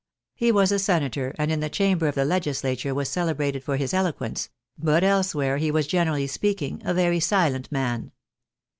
He was a senator, and in the chamber of the legislature was celebrated for his eloquence ; but elsewhere, he was, generally speaking, a very silent man.